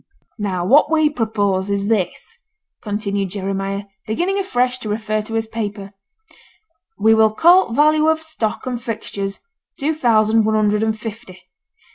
'Now what we propose is this,' continued Jeremiah, beginning afresh to refer to his paper: 'We will call t' value of stock and fixtures two thousand one hundred and fifty.